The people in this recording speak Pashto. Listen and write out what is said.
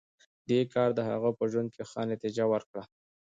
دې کار د هغه په ژوند کې ښه نتېجه ورکړه